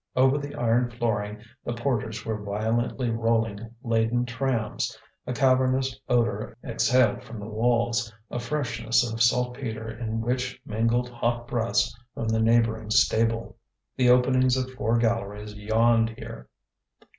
Over the iron flooring the porters were violently rolling laden trams. A cavernous odour exhaled from the walls, a freshness of saltpetre in which mingled hot breaths from the neighbouring stable. The openings of four galleries yawned here.